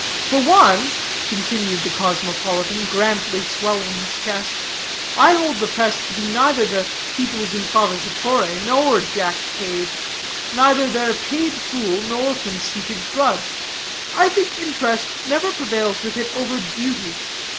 "For one," continued the cosmopolitan, grandly swelling his chest, "I hold the press to be neither the people's improvisatore, nor Jack Cade; neither their paid fool, nor conceited drudge. I think interest never prevails with it over duty.